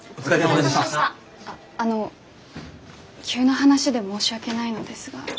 あの急な話で申し訳ないのですが。